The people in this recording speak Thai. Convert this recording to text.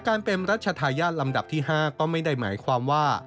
การเป็นรัชธาญาติลำดับที่๕ก็ไม่ได้หมายความว่า